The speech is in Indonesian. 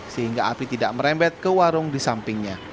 sehingga api tidak merembet ke warung di sampingnya